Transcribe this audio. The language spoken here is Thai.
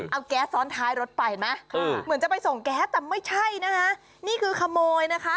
เอาแก๊สซ้อนท้ายรถไปเห็นไหมเหมือนจะไปส่งแก๊สแต่ไม่ใช่นะคะนี่คือขโมยนะคะ